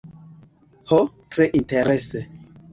Ho, tre interese